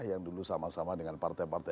yang dulu sama sama dengan partai partai